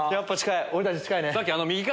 俺たち近いね。